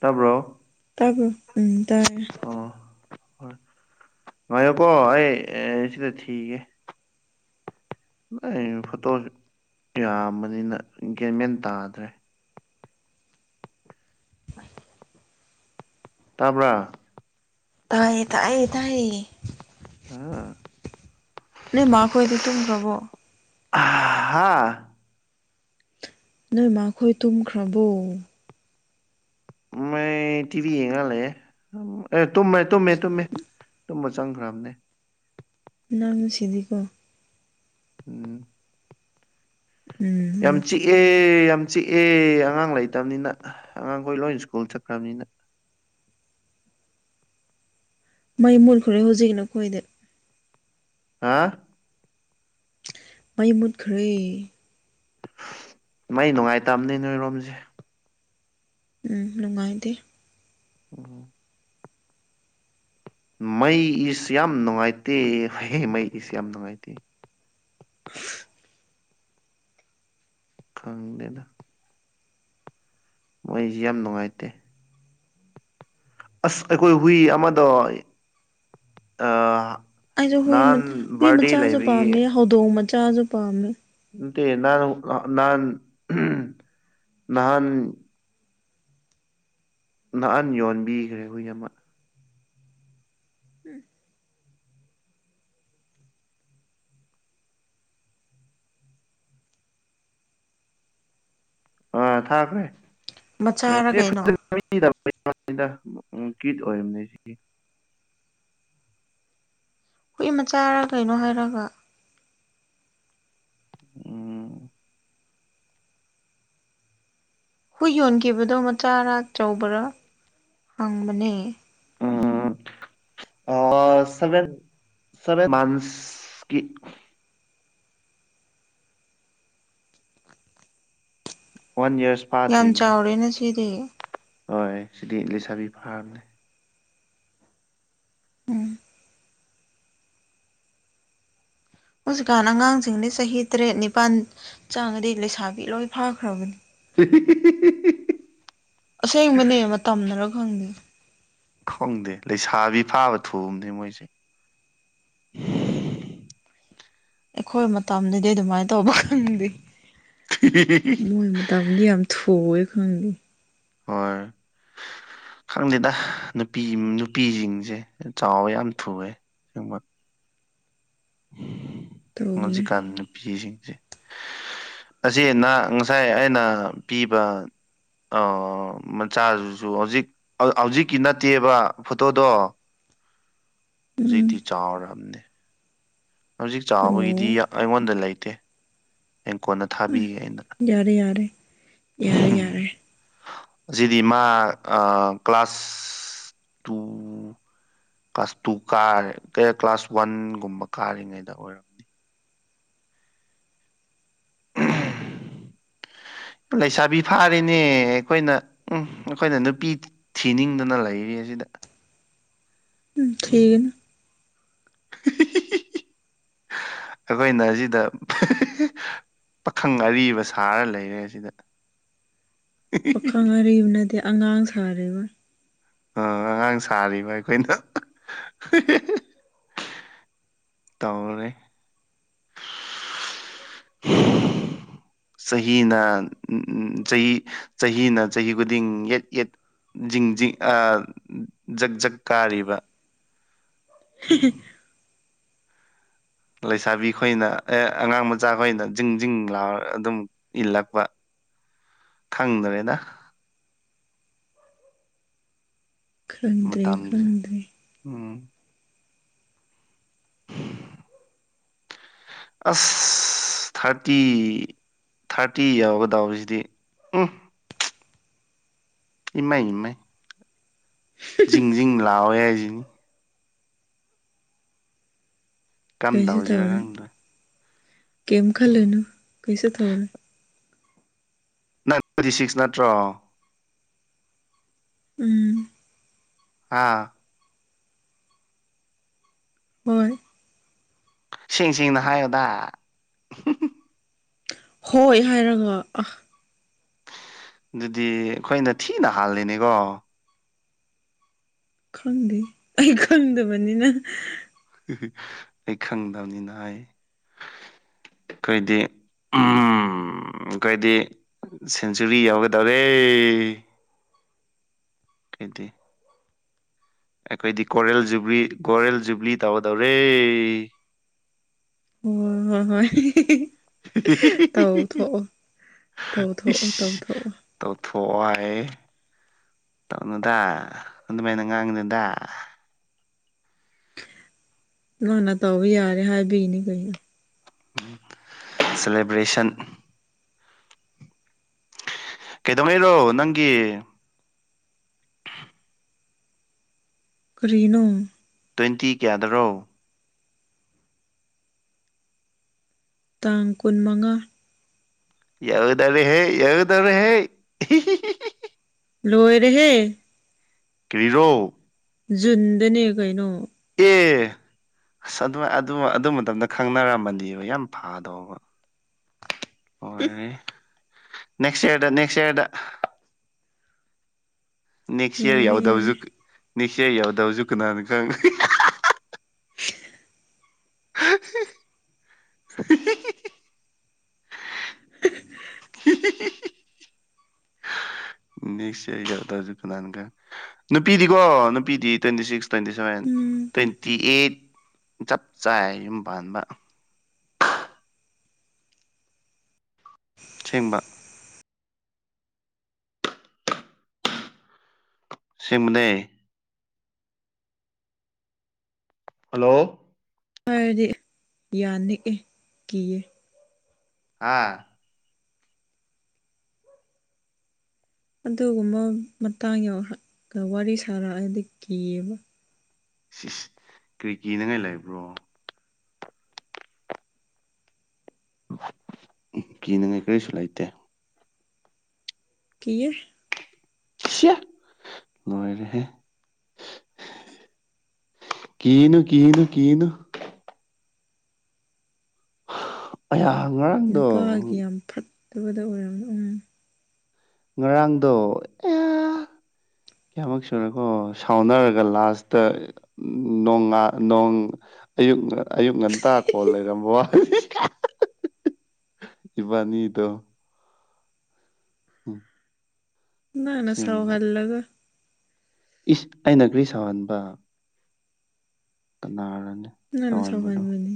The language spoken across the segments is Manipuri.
ꯇꯥꯕ꯭ꯔꯣ? ꯇꯥꯕ꯭ꯔꯣ? ꯎꯝ ꯇꯥꯏꯌꯦ꯫ ꯉꯥꯢꯌꯣꯀꯣ ꯑꯩ ꯑꯦ ꯁꯤꯗ ꯊꯤꯒꯦ꯫ [unintelligible] ꯐꯣꯇꯣꯁꯨ ꯌꯥꯝꯕꯅꯤꯅ ꯒꯦꯟꯃꯦꯟ ꯇꯥꯗ꯭ꯔꯦ꯫ ꯇꯥꯕ꯭ꯔꯥ? ꯇꯥꯏꯌꯦ ꯇꯥꯏꯌꯦ ꯇꯥꯏꯌꯦ꯫ ꯑꯥ ꯅꯣꯢ ꯃꯥ ꯈꯣꯏꯗꯤ ꯇꯨꯝꯈ꯭ꯔꯕꯣ? [unintelligible] ꯍꯥꯥ ꯅꯣꯏ ꯃꯥꯈꯣꯏ ꯇꯨꯝꯈ꯭ꯔꯕꯣ? ꯃꯩ ꯇꯤꯚꯤ ꯌꯦꯡꯉ ꯂꯩꯌꯦ꯫ ꯑꯦ ꯇꯨꯝꯃꯦ ꯇꯨꯝꯃꯦ ꯇꯨꯝꯃꯦ ꯇꯨꯝꯕ ꯆꯪꯈ꯭ꯔꯕꯅꯦ꯫ ꯅꯪ ꯁꯤꯗꯤꯀꯣ꯫ ꯎꯝ ꯎꯝ ꯌꯥꯝ ꯍꯣꯏ ꯆꯤꯛ ꯑꯦ ꯌꯥꯝ ꯆꯤꯛꯑꯦ ꯑꯉꯥꯡ ꯂꯩꯇꯕꯅꯤꯅ ꯑꯉꯥꯡꯈꯣꯏ ꯂꯣꯏ ꯁ꯭ꯀꯨꯜ ꯆꯠꯈ꯭ꯔꯕꯅꯤꯅ꯫ ꯃꯩ ꯃꯨꯠꯈ꯭ꯔꯦ ꯍꯧꯖꯤꯛ ꯅꯈꯣꯏꯗ꯫ ꯍꯥ ꯃꯩ ꯃꯨꯠꯈ꯭ꯔꯦ꯫ ꯃꯩ ꯅꯨꯉꯥꯏꯇꯝꯅꯦ ꯅꯣꯏꯔꯣꯝꯁꯦ꯫ ꯎꯝ ꯅꯨꯉꯥꯏꯇꯦ꯫ ꯎꯝ ꯃꯩ ꯏꯁ ꯌꯥꯝ ꯅꯨꯡꯉꯥꯏꯇꯦ ꯍꯩꯍꯦ ꯃꯩ ꯏꯁꯁꯤ ꯌꯥꯝ ꯅꯨꯡꯉꯥꯏꯇꯦ꯫ [unintelligible] ꯈꯪꯗꯦꯗ꯫ ꯃꯩꯖꯤ ꯌꯥꯝ ꯅꯨꯡꯉꯥꯏꯇꯦ꯫ ꯑꯁ ꯑꯩꯈꯣꯏ ꯍꯨꯏ ꯑꯃꯗꯣ ꯑꯥ ꯑꯩꯁꯨ ꯍꯨꯏ ꯅꯍꯥꯟ ꯍꯨꯏ ꯕꯥꯔꯗꯦ ꯃꯆꯥꯖꯨ ꯂꯩꯕꯒꯤ ꯄꯥꯝꯃꯦ ꯍꯧꯗꯣꯡ ꯃꯆꯥꯖꯨ ꯄꯥꯝꯃꯦ꯫ ꯅꯠꯇꯦ ꯅꯪ ꯅꯍꯥꯟ ꯅꯍꯥꯟ꯫ ꯅꯍꯥꯟ ꯌꯣꯟꯕꯤꯒ꯭ꯔꯦ ꯍꯨꯏ ꯑꯃ꯫ ꯑꯥ ꯊꯥꯈꯦ ꯃꯆꯥꯔ ꯀꯩꯅꯣ [unintelligible] [unintelligible] ꯀꯤꯠ ꯑꯣꯏꯕꯅꯦ꯫ ꯍꯨꯏ ꯃꯆꯥꯔ ꯀꯩꯅꯣ ꯍꯥꯏꯔꯒ꯫ ꯎꯝ ꯍꯨꯏ ꯌꯣꯟꯈꯤꯕꯗꯣ ꯃꯆꯥꯔ ꯑꯆꯧꯕꯔꯥ ꯍꯪꯕꯅꯦ꯫ ꯎꯝ ꯑꯥ ꯁꯕꯦꯟ ꯁꯕꯦꯟ ꯃꯟꯁꯀꯤ꯫ One years. ꯌꯥꯝ ꯐꯥꯗ꯭ꯔꯤꯕꯅꯦ ꯆꯥꯎꯔꯦꯅ ꯁꯤꯗꯤ꯫ ꯍꯣꯏ ꯁꯤꯗꯤ ꯂꯩꯁꯥꯕꯤ ꯐꯥꯒ꯭ꯔꯦ꯫ ꯎꯝ ꯍꯧꯖꯤꯛꯀꯥꯟ ꯑꯉꯥꯡꯁꯤꯡꯗꯤ ꯆꯍꯤ ꯇꯔꯦꯠ ꯅꯤꯄꯥꯜ ꯆꯪꯉꯗꯤ ꯂꯩꯁꯥꯕꯤ ꯂꯣꯏ ꯐꯥꯈ꯭ꯔꯕꯅꯤ꯫ [unintelligible] ꯑꯁꯦꯡꯕꯅꯦ ꯃꯇꯝꯅꯔ ꯈꯪꯗꯦ꯫ ꯈꯪꯗꯦ ꯂꯩꯁꯥꯕꯤ ꯐꯥꯕ ꯊꯨꯕꯅꯦ ꯃꯣꯏꯁꯦ꯫ ꯑꯩꯈꯣꯏ ꯃꯇꯝꯗꯗꯤ ꯑꯗꯨꯃꯥꯏ ꯇꯧꯕ ꯈꯪꯗꯦ ꯃꯣꯏ ꯃꯠ ꯇꯝꯗꯤ ꯌꯥꯝ ꯊꯨꯋꯦ ꯈꯪꯗꯦ ꯍꯣꯏ [inaudible] ꯈꯪꯗꯦꯗ ꯅꯨꯄꯤ ꯅꯨꯄꯤꯖꯤꯡꯖꯦ ꯆꯥꯎꯋꯦ ꯌꯥꯝ ꯊꯨꯋꯦ ꯁꯦꯡꯕ ꯇꯧꯕꯅꯦ ꯍꯧꯖꯤꯛꯀꯥꯟ ꯅꯨꯄꯤꯁꯤꯡꯖꯦ ꯑꯁꯤ ꯅ ꯉꯁꯥꯏ ꯑꯩꯅ ꯄꯤꯕ ꯑꯣ ꯃꯆꯥꯗꯨꯁꯨ ꯍꯧꯖꯤꯛ ꯍꯧꯖꯤꯛꯀꯤ ꯅꯠꯇꯦꯕ ꯐꯣꯇꯣꯗꯣ ꯎꯝ ꯍꯨꯖꯤꯛꯇꯤ ꯆꯥꯎꯔꯝꯅꯦ ꯍꯧꯖꯤꯛ ꯆꯥꯎꯕꯒꯤꯗꯤ ꯑꯣ ꯌꯥ ꯑꯩꯉꯣꯟꯗ ꯂꯩꯇꯦ ꯍꯌꯦꯡ ꯀꯣꯟꯅ ꯎꯝ ꯊꯥꯕꯤꯒꯦ ꯑꯩꯅ ꯌꯥꯔꯦ ꯌꯥꯔꯦ ꯌꯥꯔꯦ ꯌꯥꯔꯦ ꯑꯁꯤꯗꯤ ꯃꯥ ꯑꯥ ꯀ꯭ꯂꯥꯁ ꯇꯨ ꯀ꯭ꯂꯥꯁ ꯇꯨ ꯀꯥꯔꯦ ꯀꯦ ꯀ꯭ꯂꯥꯁ ꯋꯥꯟꯒꯨꯝꯕ ꯀꯥꯔꯤꯉꯩꯗ ꯑꯣꯏꯔꯝ [inaudible] ꯂꯩꯁꯥꯕꯤ ꯐꯥꯔꯤꯅꯦ ꯑꯩꯈꯣꯏꯅ ꯎꯝ ꯑꯩꯈꯣꯏꯅ ꯅꯨꯄꯤ ꯊꯤꯅꯤꯡꯗꯅ ꯂꯩꯔꯤ ꯑꯁꯤꯗ ꯎꯝ ꯊꯤꯒꯥꯅꯨ ꯑꯈꯣꯏꯅ ꯑꯖꯤꯗꯥ ꯄꯥꯈꯪ ꯑꯔꯤꯕ ꯁꯥꯔ ꯂꯩꯔꯦ ꯁꯤꯗꯥ ꯄꯥꯈꯪ ꯑꯔꯤꯕꯅꯗꯤ ꯑꯉꯥꯡ ꯁꯥꯔꯤꯕ ꯑꯥ ꯑꯉꯥꯡ ꯁꯥꯔꯤꯕ ꯑꯩꯈꯣꯏꯅ ꯇꯧꯔꯦ [inaudible] ꯆꯍꯤꯅ ꯎꯝ ꯎꯝ ꯆꯍꯤ ꯆꯍꯤꯅ ꯆꯍꯤ ꯈꯨꯗꯤꯡ ꯌꯦꯠ ꯌꯦꯠ ꯖꯤꯡ ꯖꯤꯡ ꯑꯥ ꯖꯛ ꯖꯛ ꯀꯥꯔꯤꯕ [unintelligible] ꯂꯩꯁꯥꯕꯤ ꯈꯣꯏꯅ ꯑꯦ ꯑꯉꯥꯡ ꯃꯆꯥ ꯈꯣꯏꯅ ꯖꯤꯡ ꯖꯤꯡ ꯂꯥꯎꯔꯒ ꯑꯗꯨꯝ ꯏꯜꯂꯛꯄ ꯈꯪꯗ꯭ꯔꯦꯗ ꯈꯪꯗ꯭ꯔꯦ ꯃꯇꯝꯁꯦ ꯈꯪꯗ꯭ꯔꯦ ꯎꯝ [unintelligible] ꯑꯁ ꯊꯥꯔꯇꯤ ꯊꯥꯔꯇꯤ ꯌꯧꯒꯥꯗꯧꯔꯤꯖꯤꯗꯤ ꯎꯝ ꯏꯃꯥꯏ ꯏꯃꯥꯏ ꯖꯤꯡ ꯖꯤꯡ ꯂꯥꯎꯑꯦ ꯍꯥꯏꯖꯤꯅꯤ ꯀꯝ ꯀꯩꯁꯨ ꯇꯧꯁꯤꯔꯥ ꯇꯧꯔꯣꯏ ꯈꯪꯗ꯭ꯔꯦ ꯀꯩꯝ ꯈꯜꯂꯨꯅꯨ ꯀꯩꯁꯨ ꯇꯧꯔꯣꯏ ꯅꯥꯠ [unintelligible] ꯁꯤꯛꯁ ꯅꯠꯇ꯭ꯔꯣ ꯎꯝ ꯑꯥ ꯍꯣꯏ ꯁꯦꯡ ꯁꯦꯡꯅ ꯍꯥꯏꯌꯣꯗ ꯍꯣꯏ ꯍꯥꯏꯔꯒ ꯑꯥ ꯑꯗꯨꯗꯤ ꯑꯩꯈꯣꯏꯅ ꯊꯤꯅ ꯍꯥꯜꯂꯤꯅꯦꯒꯣ ꯈꯪꯗꯦ ꯑꯩ ꯈꯪꯗꯕꯅꯤꯅ ꯑꯩ ꯈꯪꯗꯕꯅꯤꯅ ꯍꯥꯏ [inaudible] ꯑꯩꯈꯣꯏ ꯗꯤ ꯎꯝ ꯑꯩꯈꯣꯏꯗꯤ ꯁꯦꯟꯆꯨꯔꯤ ꯌꯥꯎꯒꯗꯧꯔꯦ ꯈꯣꯏꯗꯤ ꯑꯩꯈꯣꯏꯗꯤ ꯀꯣꯔꯦꯜ ꯖꯨꯕ꯭ꯂꯤ ꯀꯣꯔꯔꯦꯜ ꯖꯨꯕ꯭ꯂꯤ ꯇꯧꯗꯧꯔꯦ ꯑꯣ ꯍꯣꯏ ꯍꯣꯏ ꯇꯧ ꯊꯣꯛꯑꯣ ꯇꯧꯊꯣꯛꯑꯣ ꯏꯁ ꯇꯧꯊꯣꯛꯑꯣ ꯇꯧꯊꯣꯛꯑꯣ ꯍꯥꯏꯌꯦ ꯇꯧꯅꯨꯗ ꯑꯗꯨꯃꯥꯏꯅ ꯉꯥꯡꯒꯅꯨꯗ ꯅꯪꯅ ꯇꯧꯕ ꯌꯥꯔꯦ ꯍꯥꯏꯕꯤꯒꯤꯅꯤ ꯀꯩꯅꯣ ꯎꯝ ꯁꯦꯂꯦꯕ꯭ꯔꯦꯁꯟ ꯀꯩꯗꯧꯅꯩꯔꯣ ꯅꯪꯒꯤ ꯀꯔꯤꯅꯣ ꯇ꯭ꯋꯦꯟꯇꯤ ꯀꯌꯥꯗꯔꯣ ꯇꯥꯡ ꯀꯨꯟ ꯃꯉꯥ ꯌꯧꯒꯗꯧꯔꯦꯍꯦ ꯌꯧꯒꯗꯧꯔꯦꯍꯦ ꯂꯣꯏꯔꯦꯍꯦ ꯀꯔꯤꯔꯣ ꯖꯨꯟꯗꯅꯦ ꯀꯩꯅꯣ ꯑꯦ ꯑꯁ ꯑꯗꯨ ꯑꯗꯨ ꯑꯗꯨ ꯃꯇꯝꯗ ꯈꯪꯅꯔꯝꯃꯗꯤ ꯌꯥꯝ ꯐꯥꯗꯧꯕ [inaudible] ꯍꯣꯏ ꯅꯦꯛꯁ ꯏꯌꯥꯔꯗ ꯅꯦꯛꯁ ꯏꯌꯥꯔꯗ ꯅꯦꯛꯁ ꯏꯌꯔ ꯌꯥꯔꯦ ꯌꯥꯔꯦ ꯌꯥꯎꯗꯕꯖꯨ ꯅꯦꯛꯁ ꯏꯌꯔ ꯌꯥꯎꯗꯕꯖꯨ ꯀꯅꯥꯅ ꯈꯪ [unintelligible] ꯅꯦꯛꯁ ꯏꯌꯔ ꯌꯧꯗꯕꯖꯨ ꯀꯅꯥꯅ ꯈꯪ ꯅꯨꯄꯤꯗꯤꯀꯣ ꯅꯨꯄꯤꯗꯤ twenty six twenty seven um twenty eight ꯆꯞ ꯆꯥꯏ ꯌꯨꯝ ꯄꯥꯟꯕ [inaudible] ꯑꯁꯦꯡꯕ ꯑꯁꯦꯡꯕꯅꯦ ꯍꯜꯂꯣ ꯑꯥꯏꯔꯗꯤ ꯌꯥꯅꯤꯛꯑꯦ ꯀꯤꯌꯦ ꯑꯥ ꯑꯗꯨꯒꯨꯝꯕ ꯃꯇꯥꯡ ꯌꯧꯔꯛꯀ ꯋꯥꯔꯤ ꯁꯥꯔꯛꯑꯗꯤ ꯀꯤꯌꯦꯕ ꯏꯁ ꯏꯁ ꯀ꯭ꯔꯤ ꯀꯤꯅꯤꯡꯉꯥꯏ ꯂꯩꯕ꯭ꯔꯣ ꯀꯤꯅꯤꯡꯉꯥꯏ ꯀꯔꯤꯁꯨ ꯂꯩꯇꯦ ꯀꯤꯌꯦ ꯁꯤꯌꯥ ꯂꯣꯢꯔꯦꯍꯦ ꯀꯤꯅꯨ ꯀꯤꯅꯨ ꯀꯤꯅꯨ [inaudible] ꯑꯩꯌ ꯉꯔꯥꯡ ꯅꯨꯄꯥꯒꯤ ꯌꯥꯝ ꯐꯠꯇꯕꯗ ꯑꯣꯢꯔꯝ ꯎꯝ ꯉꯔꯥꯡꯗꯣ ꯑꯦꯌꯥ ꯀꯌꯥꯃꯨꯛ ꯁꯨꯔꯦꯀꯣ ꯁꯥꯎꯅꯔꯒ ꯂꯥꯁꯇ ꯅꯣꯡꯉꯥ ꯅꯣꯡ ꯑꯌꯨꯛ ꯑꯥ ꯑꯌꯨꯛ ꯉꯟꯇꯥ ꯀꯣꯜ ꯂꯩꯔꯝꯕ ꯋꯥꯅꯤ ꯏꯕꯅꯤꯗꯣ ꯍꯨꯝ ꯅꯪꯅ ꯁꯥꯎ ꯍꯜꯂꯒ ꯏꯁ ꯑꯩꯅ ꯀ꯭ꯔꯤ ꯁꯥꯎꯍꯟꯕ ꯀꯥꯅꯔꯅꯦ ꯅꯪꯅ ꯁꯥꯎꯍꯟꯕꯅꯤ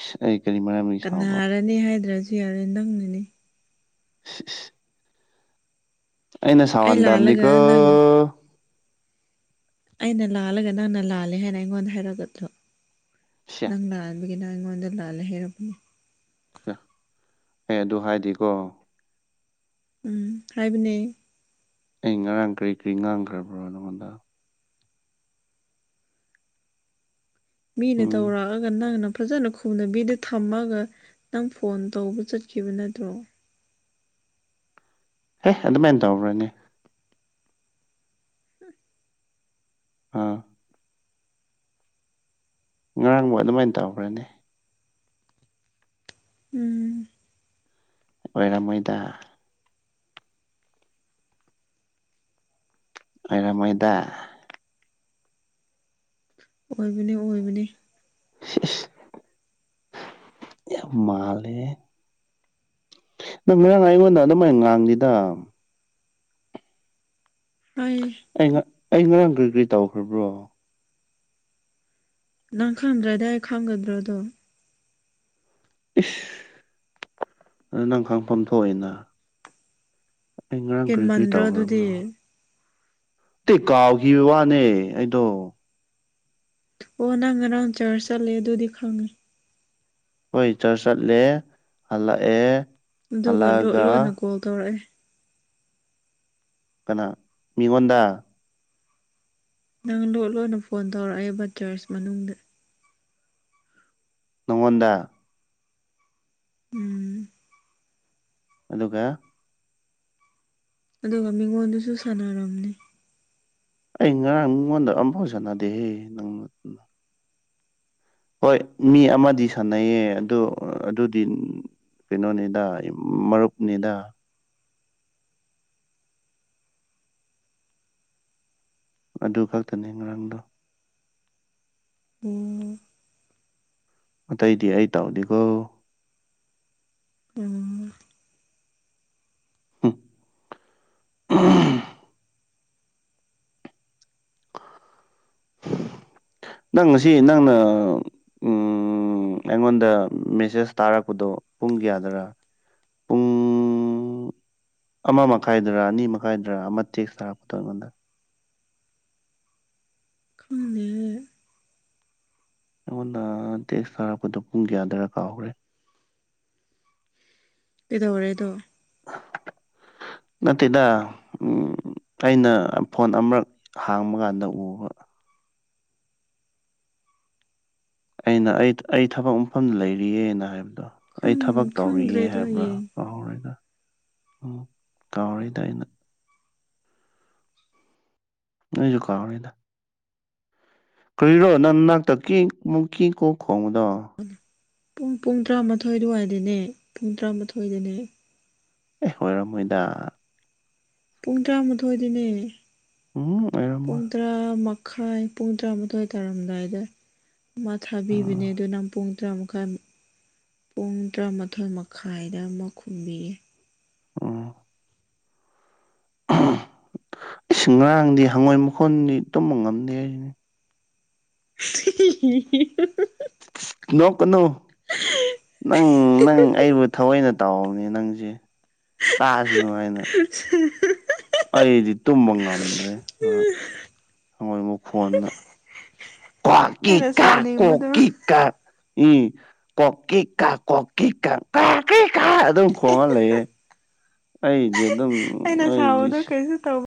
ꯏꯁ ꯑꯩ ꯀꯔꯤ ꯃꯔꯝ ꯂꯩ ꯁꯥꯎꯕ ꯅꯦ ꯍꯥꯢꯗ꯭ꯔꯁꯨ ꯌꯥꯔꯦ ꯅꯪꯅꯅꯤ ꯏꯁ ꯏꯁ ꯑꯩꯅ ꯑꯩ ꯂꯥꯜꯂꯒ ꯁꯥꯎꯍꯟꯗꯕꯅꯤꯀꯣ ꯅꯪ ꯑꯩꯅ ꯂꯥꯜꯂꯒ ꯅꯪꯅ ꯂꯥꯜꯂꯦ ꯍꯥꯢꯅ ꯑꯩꯉꯣꯟꯗ ꯍꯥꯢꯔꯛꯒꯗ꯭ꯔꯣ ꯁꯤꯌꯥ ꯅꯪꯅ ꯗꯨꯒꯤ ꯅꯪ ꯑꯩꯉꯣꯟꯗ ꯂꯥꯜꯂꯦ ꯍꯥꯢꯔꯛꯄꯅꯤ ꯍ ꯑꯩ ꯑꯗꯨ ꯍꯥꯢꯗꯦꯀꯣ ꯎꯝ ꯍꯥꯢꯕꯅꯦ ꯑꯩ ꯉꯔꯥꯡ ꯀ꯭ꯔꯤ ꯀ꯭ꯔꯤ ꯉꯥꯡꯈ꯭ꯔꯕ꯭ꯔꯣ ꯅꯪꯉꯣꯟꯗ ꯃꯤꯅ ꯎꯝ ꯇꯧꯔꯛꯑꯒ ꯅꯪꯅ ꯐꯖꯅ ꯈꯨ ꯅꯕꯤꯗ ꯊꯝꯃꯒ ꯅꯪ ꯐꯣꯟ ꯇꯧꯕ ꯆꯠꯈꯤꯕ ꯅꯠꯇ꯭ꯔꯣ ꯍꯦ ꯑꯗꯨꯃꯥꯢꯅ ꯇꯧꯕ꯭ꯔꯅꯦ ꯑꯥ ꯉꯔꯥꯡꯕꯨ ꯑꯗꯨꯃꯥꯢꯅ ꯇꯧꯕ꯭ꯔꯅꯦ ꯎꯝ ꯑꯣꯢꯔꯝ ꯃꯣꯢꯗ ꯑꯩꯔꯝꯃꯣꯢꯗ ꯑꯣꯢꯕꯅꯦ ꯑꯣꯢꯕꯅꯦ ꯁꯤ ꯏꯁ ꯌꯥꯝ ꯃꯥꯜꯂꯦꯍꯦ ꯅꯪ ꯉꯔꯥꯡ ꯑꯩꯉꯣꯟꯗ ꯑꯗꯨꯃꯥꯢꯅ ꯉꯥꯡꯗꯦꯗ ꯑꯩ ꯑꯩ ꯉ ꯑꯩ ꯉꯔꯥꯡ ꯀꯔꯤ ꯀꯔꯤ ꯇꯧꯈ꯭ꯔꯕ꯭ꯔꯣ ꯅꯪ ꯈꯪꯗ꯭ꯔꯗꯤ ꯑꯩ ꯈꯪꯒꯗ꯭ꯔꯣ ꯑꯗꯣ ꯏꯁ ꯑ ꯅꯪ ꯈꯪꯐꯝ ꯊꯣꯛꯏꯅ ꯑꯩ ꯉꯔꯥꯡ ꯀꯔꯤ ꯀꯔꯤ ꯍꯦꯟꯃꯟꯗ꯭ꯔꯣ ꯑꯗꯨꯗꯤ ꯇꯧꯈ꯭ꯔꯕ꯭ꯔꯣ ꯇꯦ ꯀꯥꯎꯈꯤꯕ ꯋꯥꯅꯦ ꯑꯩꯗꯣ ꯑꯣ ꯅꯪ ꯉꯔꯥꯡ ꯆꯥꯔꯁ ꯆꯠꯂꯦ ꯑꯗꯨꯗꯤ ꯈꯪꯉꯦ ꯍꯣꯢ ꯆꯔꯁ ꯆꯠꯂꯦ ꯍꯜꯂꯛꯑꯦ ꯑꯗꯨꯒ ꯂꯣ ꯍꯜꯂꯛꯑꯒ ꯂꯣꯟꯅ ꯀꯣꯜ ꯇꯧꯔꯛꯑꯦ ꯀꯅꯥ ꯃꯤꯉꯣꯟꯗ ꯅꯪ ꯂꯣꯠ ꯂꯣꯟꯅ ꯐꯣꯟ ꯇꯧꯔꯛꯑꯦꯕ ꯆ꯭ꯔꯁ ꯃꯅꯨꯡꯗ ꯅꯪꯉꯣꯟꯗ ꯎꯝ ꯑꯗꯨꯒ ꯑꯗꯨꯒ ꯃꯤꯉꯣꯟꯗꯁꯨ ꯁꯥꯟꯅꯔꯝꯅꯤ ꯑꯩ ꯉꯔꯥꯡ ꯃꯤꯉꯣꯟꯗ ꯑꯝꯐꯥꯎ ꯁꯥꯟꯅꯗꯦ ꯍꯦ ꯅꯪ ꯍꯣꯢ ꯃꯤ ꯑꯃꯗꯤ ꯁꯥꯟꯅꯩꯌꯦ ꯑꯗꯣ ꯑꯗꯨꯗꯤ ꯀꯩꯅꯣꯅꯤꯗ ꯃꯔꯨꯞꯅꯤꯗ ꯑꯗꯨ ꯈꯛꯇꯅꯦ ꯉꯔꯥꯡꯗꯣ ꯎꯝ ꯑꯇꯩꯗꯤ ꯑꯩ ꯇꯧꯗꯦꯀꯣ ꯎꯝ ꯍꯨꯛ [unintelligible] [inaudible] ꯅꯪ ꯉꯁꯤ ꯅꯪꯅ ꯎꯝ ꯎꯝ ꯑꯩꯉꯣꯟꯗ ꯃꯦꯁꯦꯁ ꯊꯥꯔꯛꯄꯗꯣ ꯄꯨꯡ ꯀꯌꯥꯗꯔ [inaudible] ꯎꯝ ꯑꯃ ꯃꯈꯥꯢꯗꯔ ꯑꯅꯤ ꯃꯈꯥꯢꯗꯔ ꯑꯃ ꯇꯦꯛꯁ ꯇꯥꯔꯛꯄꯗꯣ ꯑꯩꯉꯣꯟꯗ ꯈꯪꯗꯦ ꯑꯩꯉꯣꯟꯗ ꯇꯦꯛꯁ ꯊꯥꯔꯛꯄꯗꯣ ꯄꯨꯡ ꯀꯌꯥꯗꯔ ꯀꯥꯎꯈ꯭ꯔꯦ ꯀꯩꯗꯧꯔꯦ ꯑꯗꯣ ꯅꯠꯇꯦꯗ ꯎꯝ ꯑꯩꯅ ꯐꯣꯟ ꯑꯃꯔꯛ ꯍꯥꯡꯕ ꯀꯥꯟꯗ ꯎꯕ ꯑꯩꯅ ꯑꯩ ꯑꯩ ꯊꯕꯛ ꯃꯐꯝꯗ ꯂꯩꯔꯤꯑꯦꯅ ꯍꯥꯢꯕꯗꯣ ꯑꯩ ꯈꯪ ꯊꯕꯛ ꯇꯧꯔꯤꯌꯦ ꯈꯪꯗ꯭ꯔꯦꯗ ꯍꯥꯢꯕ꯭ꯔꯥ ꯌꯦꯡ ꯀꯥꯎꯔꯦꯗ ꯎꯝ ꯀꯥꯎꯔꯦꯗ ꯑꯩꯅ ꯅꯣꯢꯖꯨ ꯀꯥꯎꯔꯦꯗ ꯀꯔꯤꯔꯣ ꯅꯪ ꯅꯥꯛꯇ ꯀꯤꯛ ꯃꯨꯛ ꯀꯤ ꯀꯣꯛ ꯈꯣꯡꯕꯗꯣ ꯎꯝ ꯄꯨꯡ ꯄꯨꯡ ꯇꯔꯥꯃꯥꯊꯣꯢ ꯑꯗꯨꯋꯥꯢꯗꯅꯦ ꯄꯨꯡ ꯇꯔꯥꯃꯥꯊꯣꯢꯗꯅꯦ ꯑꯦ ꯑꯣꯢꯔꯝꯃꯣꯢꯗ ꯄꯨꯡ ꯇꯔꯥꯃꯥꯊꯣꯢꯗꯅꯦ ꯎꯝ ꯄꯨꯡ ꯑꯣꯏꯔꯝꯃꯣꯏ ꯇꯔꯥꯃꯛ ꯈꯥꯢ ꯄꯨꯡ ꯇꯔꯥꯃꯥꯊꯣꯢ ꯇꯥꯔꯝꯗꯥꯢꯗ ꯃꯥ ꯊꯥꯕꯤꯕꯅꯦ ꯎꯝ ꯑꯗꯨ ꯅꯪ ꯄꯨꯡ ꯇꯔꯥꯃꯥꯢ ꯄꯨꯡ ꯇꯔꯥꯃꯥꯊꯣꯢ ꯃꯈꯥꯢꯗ ꯑꯃ ꯈꯨꯝꯕꯤꯌꯦ ꯑꯣ ꯏꯁ ꯉꯔꯥꯡꯗꯤ ꯍꯪꯉꯣꯢ ꯃꯈꯣꯟꯗꯤ ꯇꯨꯝꯕ ꯉꯝꯗꯦ ꯍꯥꯏꯖꯤꯅꯤ [unintelligible] ꯅꯣꯛꯀꯅꯨ ꯅꯪ ꯅꯪ ꯑꯩꯕꯨ ꯊꯑꯣꯢꯅ ꯇꯧꯕꯅꯦ ꯅꯪꯁꯦ ꯇꯥꯖꯅꯨ ꯍꯥꯢꯅ [unintelligible] ꯑꯩꯗꯤ ꯇꯨꯝꯕ ꯉꯝꯗ꯭ꯔꯦ ꯉꯔꯥꯡ ꯍꯪꯉꯣꯢ ꯃꯈꯣꯟꯅ ꯀ꯭ꯋꯥꯠ ꯀꯦ ꯑꯩꯅ ꯀꯥꯛ ꯀꯣꯛ ꯁꯥꯎꯅꯤꯡꯕꯗꯣ ꯀꯤ ꯀꯥ ꯎꯝ ꯀꯣꯛ ꯀꯤ ꯀꯥ ꯀꯣꯛ ꯀꯤ ꯀꯥ ꯀꯥꯛ ꯀꯤ ꯀꯥ ꯑꯗꯨꯝ ꯈꯣꯡꯉ ꯂꯩꯌꯦ ꯑꯩꯗꯤ ꯑꯗꯨꯝ ꯑꯩꯅ ꯑꯩꯗꯤ ꯁꯥꯎꯕꯗꯣ ꯀꯩꯁꯨ ꯇꯧ